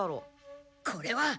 これは。